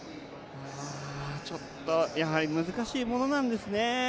ちょっとやはり難しいものなんですね。